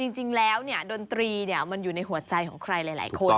จริงแล้วดนตรีมันอยู่ในหัวใจของใครหลายคน